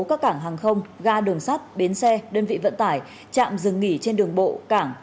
các cảng hàng không ga đường sắt bến xe đơn vị vận tải trạm dừng nghỉ trên đường bộ cảng